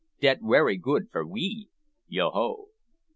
Dat werry good for we, Yo ho!